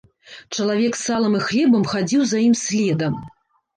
Чалавек з салам і хлебам хадзіў за ім следам.